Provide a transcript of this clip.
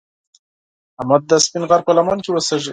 احمد د سپین غر په لمنه کې اوسږي.